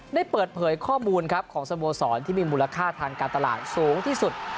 ได้เปิดเผยข้อมูลครับของสโมสรที่มีมูลค่าทางการตลาดสูงที่สุด